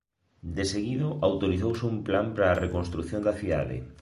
De seguido autorizouse un plan para a reconstrución da cidade.